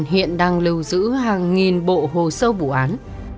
hiện đang lưu giữ hàng nghìn bộ hồ sơ vụ án